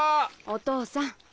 お父さん。